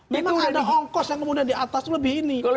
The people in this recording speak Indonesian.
memang ada hongkos yang kemudian di atas lebih ini